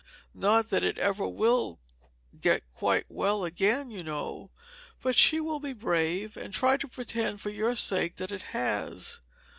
Not that it ever will get quite well again, you know; but she will be brave, and try to pretend for your sake that it has.